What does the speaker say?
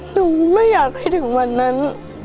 หนูไม่อยากให้ถึงวันนั้น